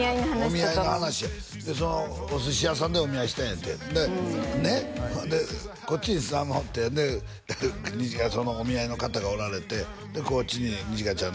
お見合いの話やでお寿司屋さんでお見合いしたんやてねっほんでこっちにさんまおってでそのお見合いの方がおられてでこっちに二千翔ちゃん